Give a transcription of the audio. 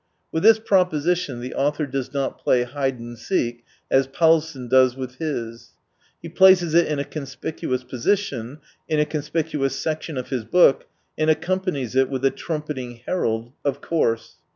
With this proposition the author does ftot play hide and seek, as Paulsen with his. He places it in a con spicuous position, in a conspicuous section of his book, and accompanies it with the trumpeting herald " of course."